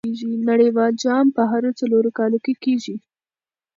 نړۍوال جام په هرو څلور کاله کښي کیږي.